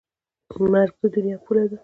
مرګ د دنیا پوله ده.